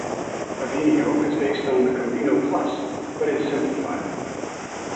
Avenio is based on the Combino Plus but is simplified.